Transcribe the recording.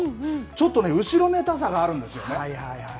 ちょっとね、後ろめたさがあるんですよね。